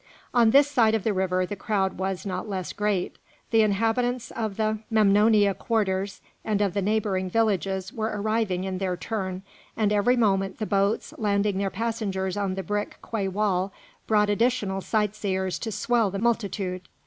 On this side of the river the crowd was not less great. The inhabitants of the Memnonia quarters and of the neighbouring villages were arriving in their turn, and every moment the boats, landing their passengers on the brick quay wall, brought additional sight seers to swell the multitude.